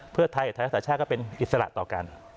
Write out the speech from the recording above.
เพื่อไทยกับไทยรักษาชาติก็เป็นอิสระต่อกัน